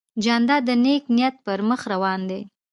جانداد د نیک نیت پر مخ روان دی.